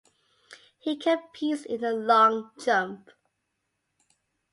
He competes in the long jump.